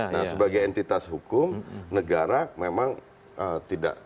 nah sebagai entitas hukum negara memang tidak